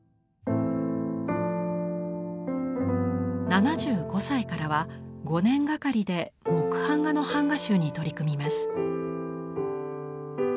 ７５歳からは５年がかりで木版画の版画集に取り組みます。